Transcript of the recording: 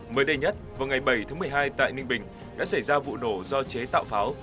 mới đây nhất vào ngày bảy tháng một mươi hai tại ninh bình đã xảy ra vụ nổ do chế tạo pháo